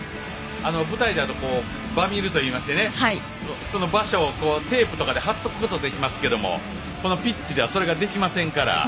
舞台ではバミるといいますけどもその場所をテープとかで貼っておくことができますけどもこのピッチではできませんから。